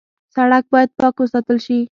سړک باید پاک وساتل شي.